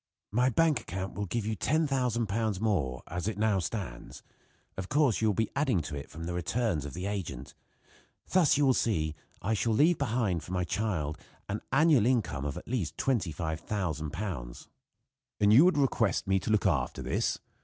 "My bank account will give you £10,000 more, as it now stands. Of course you will be adding to it from the returns of the agent. Thus you will see, I shall leave behind for my child an annual income of at least £25,000." "And you would request me to look after this?"